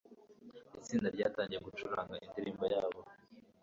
itsinda ryatangiye gucuranga indirimbo yabo